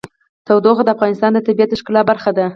تودوخه د افغانستان د طبیعت د ښکلا برخه ده.